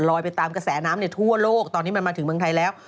ไปตามกระแสน้ำในทั่วโลกตอนนี้มันมาถึงเมืองไทยแล้ว